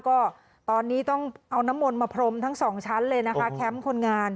ก็ตอนนี้ต้องเอาน้ำมนต์มาพรมทั้งสองชั้นเลยนะคะแคมป์คนงาน